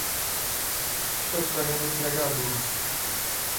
Estou esperando o entregador.